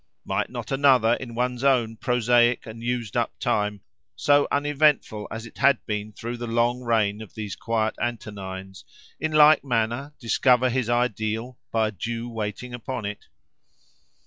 Might not another, in one's own prosaic and used up time, so uneventful as it had been through the long reign of these quiet Antonines, in like manner, discover his ideal, by a due waiting upon it?